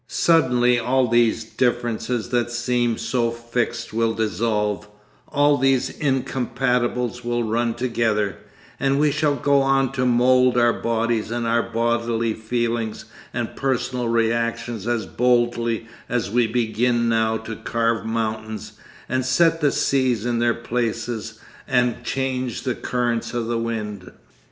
Suddenly all these differences that seem so fixed will dissolve, all these incompatibles will run together, and we shall go on to mould our bodies and our bodily feelings and personal reactions as boldly as we begin now to carve mountains and set the seas in their places and change the currents of the wind.